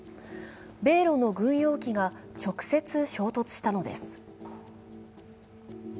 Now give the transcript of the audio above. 米ロの軍用機が直接衝突したのです。